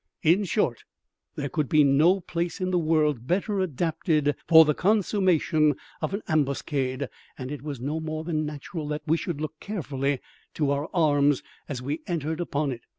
In short, there could be no place in the world better adapted for the consummation of an ambuscade, and it was no more than natural that we should look carefully to our arms as we entered upon it.